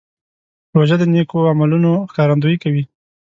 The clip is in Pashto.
روژه د نیکو عملونو ښکارندویي کوي.